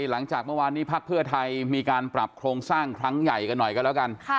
หลังจากเมื่อวานนี้พักเพื่อไทยมีการปรับโครงสร้างครั้งใหญ่กันหน่อยกันแล้วกัน